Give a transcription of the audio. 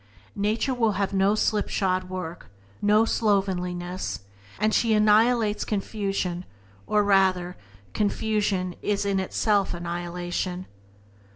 Nature will have no slipshod work, no slovenliness, and she annihilates confusion, or rather, confusion is in itself annihilation.